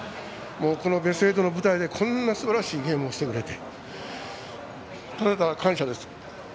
このベスト８の舞台で、こんなすばらしい試合をしてくれてただただ感謝です。